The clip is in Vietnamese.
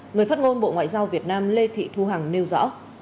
người phát ngôn bộ ngoại giao việt nam lê thị thu hằng nói